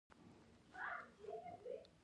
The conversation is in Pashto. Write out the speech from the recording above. ایا ستاسو ماښام ارام دی؟